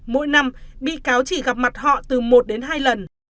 mỗi năm bị cáo chỉ gặp mặt họ từ một đến hai lần